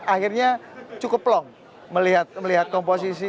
akhirnya cukup plong melihat komposisi